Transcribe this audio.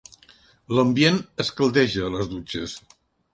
L'ambient es caldeja a les dutxes.